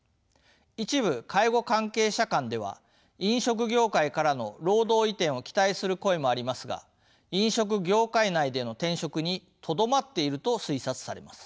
一部介護関係者間では飲食業界からの労働移転を期待する声もありますが飲食業界内での転職にとどまっていると推察されます。